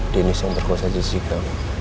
denny yang terkuasa jessica